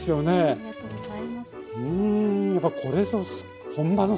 ありがとうございます。